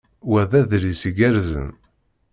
Wa d adlis igerrzen.